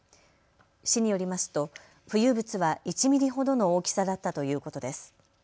市によりますと浮遊物は１ミリほどの大きさだったということです。